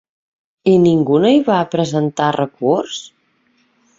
I ningú no hi va presentar recurs?